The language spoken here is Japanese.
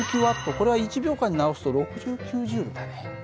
これは１秒間に直すと６９Ｊだね。